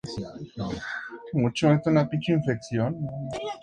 Nunca hubo una explicación oficial a este triple crimen.